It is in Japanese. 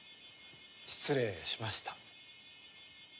失礼しました。